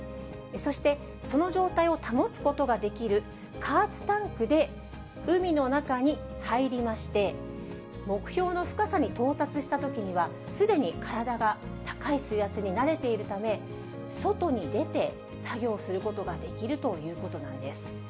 そしてその状態を保つことができる加圧タンクで海の中に入りまして、目標の深さに到達したときには、すでに体が高い水圧に慣れているため、外に出て作業することができるということなんです。